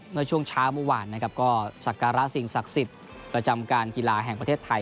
เมื่อช่วงเช้าเมื่อวานนะครับก็สักการะสิ่งศักดิ์สิทธิ์ประจำการกีฬาแห่งประเทศไทย